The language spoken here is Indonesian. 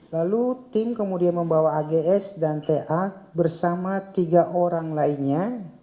lalu tim kemudian membawa ags dan ta bersama tiga orang lainnya